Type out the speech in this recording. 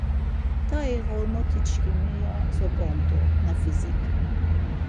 Tai ğormotiçkimi ya zop̌ont̆u Nafizik.